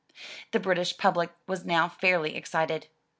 The British public was now fairly excited.